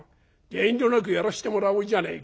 遠慮なくやらしてもらおうじゃねえか」。